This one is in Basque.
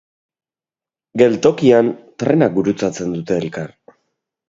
Geltokian trenak gurutzatzen dute elkar.